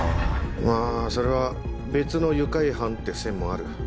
まぁそれは別の愉快犯って線もある。